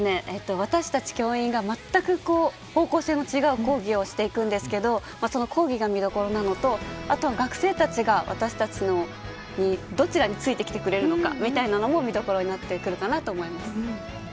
私たち教員が、まったく方向性の違う講義をしていくんですけどその講義が見どころなのとあとは、学生たちが私たちのどちらについてきてくれるのかみたいなのも見どころになってくるかなと思います。